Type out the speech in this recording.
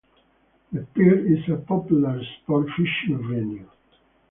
The pier is a popular sport fishing venue.